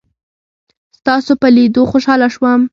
ستاسو په لیدلو خوشحاله شوم.